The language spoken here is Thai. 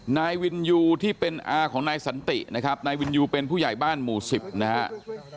นายวินยูที่เป็นอาของนายสันตินะครับนายวินยูเป็นผู้ใหญ่บ้านหมู่๑๐นะครับ